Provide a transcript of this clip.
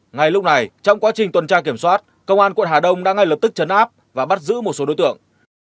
ngay lúc này trong quá trình tuần tra kiểm soát công an quận hà đông đã ngay lập tức chấn áp và bắt giữ một số đối tượng